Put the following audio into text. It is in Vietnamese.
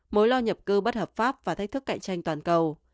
mối lo nhập cư bất hợp pháp và thách thức cạnh tranh toàn cầu